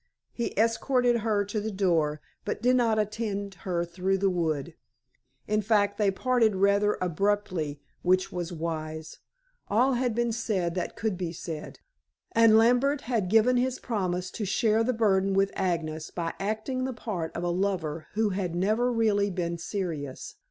He escorted her to the door, but did not attend her through the wood. In fact, they parted rather abruptly, which was wise. All had been said that could be said, and Lambert had given his promise to share the burden with Agnes by acting the part of a lover who had never really been serious.